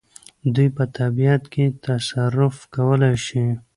دوی په طبیعت کې تصرف کولای شي.